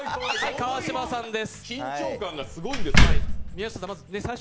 川島さんです。